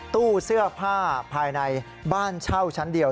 ตู้เสื้อผ้าภายในบ้านเช่าชั้นเดียว